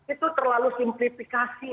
itu terlalu simplifikasi